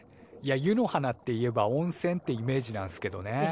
いや湯の花っていえば温泉ってイメージなんすけどね。